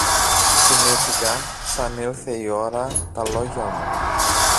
θυμήθηκα, σαν ήλθε η ώρα, τα λόγια μου.